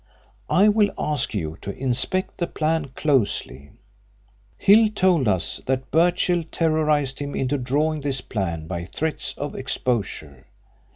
I will ask you to inspect the plan closely. Hill told us that Birchill terrorised him into drawing this plan by threats of exposure.